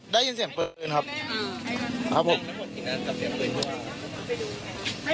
ได้ยินเสียงปืนครับ